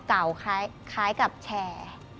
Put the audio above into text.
คล้ายกับแชร์